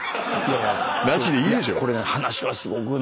なしでいいでしょ。